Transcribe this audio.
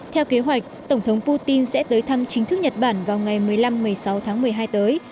theo kế hoạch tổng thống putin sẽ tới thăm chính thức nhật bản vào ngày một mươi năm một mươi sáu tháng một mươi hai tới